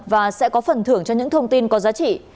và sẽ có phần thưởng cho những thông tin có giá trị